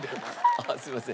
あっすいません。